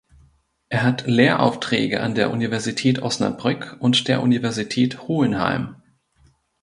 Er hat Lehraufträge an der Universität Osnabrück und der Universität Hohenheim.